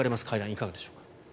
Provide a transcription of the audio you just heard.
会談いかがでしょうか。